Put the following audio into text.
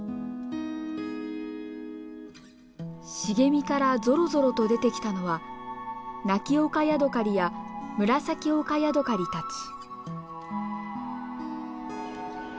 茂みからゾロゾロと出てきたのはナキオカヤドカリやムラサキオカヤドカリたち。